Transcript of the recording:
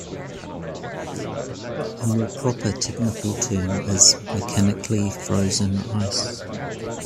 A more proper technical term is 'mechanically frozen' ice.